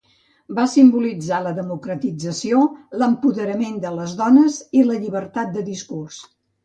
Va simbolitzar la democratització, l'empoderament de les dones i la llibertat de discurs.